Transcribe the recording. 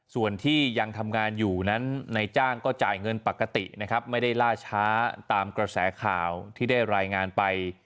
ส่วนที่ยังทำงานอยู่นั้นนายจ้างก็จ่ายเงินปกตินะครับไม่ได้ล่าช้าตามกระแสข่าวที่ได้รายงานไป